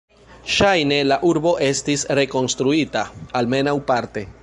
Ŝajne la urbo estis rekonstruita, almenaŭ parte.